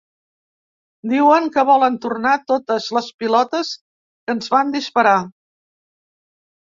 Diuen que volen ‘tornar totes les pilotes que ens van disparar’.